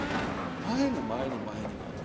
前に前に前に前に前に。